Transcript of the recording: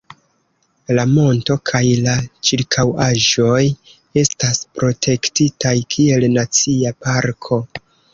La monto kaj la ĉirkaŭaĵoj estas protektitaj kiel Nacia Parko.